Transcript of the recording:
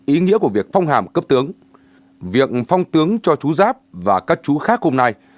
ý nghĩa của việc phong hàm cấp tướng việc phong tướng cho chú giáp và các chú khác hôm nay